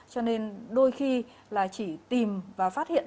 cho nên đôi khi là chỉ tìm và phát hiện